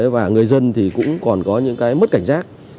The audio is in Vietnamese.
và người dân thì cũng còn có những cái mất cảnh giác